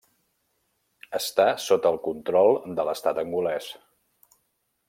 Està sota el control de l'Estat angolès.